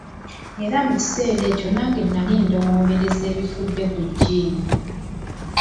Era mu kiseera ekyo nange nali ndowoolereza ebifudde ku Jim.